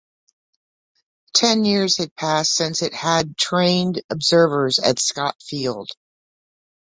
Ten years had passed since it had trained observers at Scott Field.